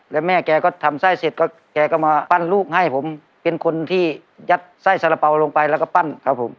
แล้วแม่แกก็ทำไส้เสร็จก็แกก็มาปั้นลูกให้ผมเป็นคนที่ยัดไส้สาระเป๋าลงไปแล้วก็ปั้นครับผม